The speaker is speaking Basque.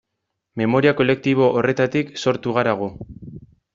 Memoria kolektibo horretatik sortu gara gu.